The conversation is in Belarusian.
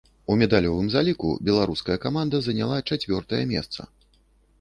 У медалёвым заліку беларуская каманда заняла чацвёртае месца.